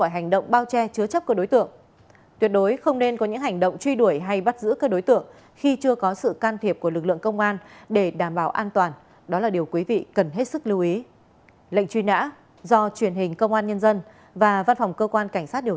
hãy đăng ký kênh để ủng hộ kênh của chúng mình nhé